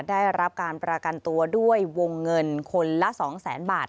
ได้รับการประกันตัวด้วยวงเงินคนละ๒แสนบาท